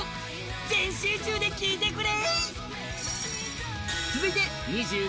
全集中で聴いてくれ！